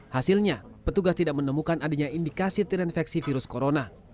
hasilnya petugas tidak menemukan adanya indikasi terinfeksi virus corona